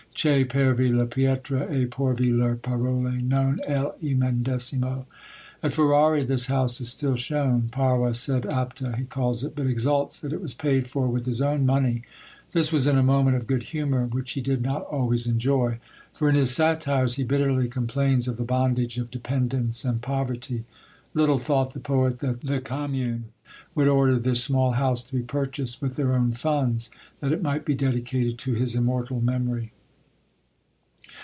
"Che pervi le pietre, e porvi le parole, non è il medesimo!" At Ferrari this house is still shown, "Parva sed apta" he calls it, but exults that it was paid for with his own money. This was in a moment of good humour, which he did not always enjoy; for in his Satires he bitterly complains of the bondage of dependence and poverty. Little thought the poet that the commune would order this small house to be purchased with their own funds, that it might be dedicated to his immortal memory.